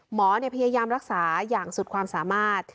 หมอพยายามรักษาอย่างสุดความสามารถ